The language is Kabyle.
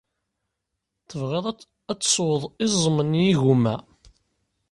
Tebɣiḍ ad tesweḍ iẓem n yigumma?